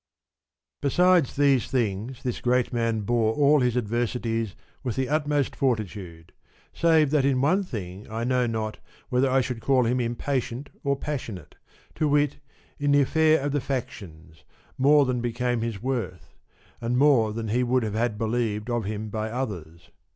Besides these things this great man bore all his adversities with the utmost fortitude ; save that in one 78 thing I know not whether I should call him impatient or passionate, to wit in the affair of the factions, more than became his worth, and more than he would have had believed of him by others.